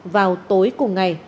vào tối cùng ngày